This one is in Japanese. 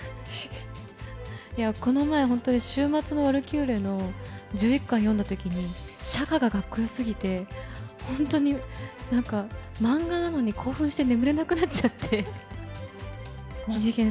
この前、本当、終末のワルキューレの１１巻読んだときに、釈迦が格好よすぎて、本当になんか、漫画なのに興奮して眠れなくなっちゃって。